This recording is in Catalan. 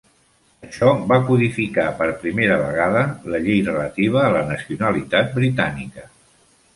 Això va codificar per primera vegada la llei relativa a la nacionalitat britànica.